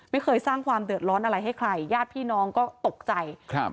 ไม่เคยสร้างความเดือดร้อนอะไรให้ใครญาติพี่น้องก็ตกใจครับ